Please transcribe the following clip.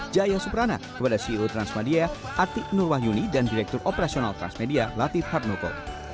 jaya suprana kepada ceo transmedia atik nur wahyuni dan direktur operasional transmedia latif harnoko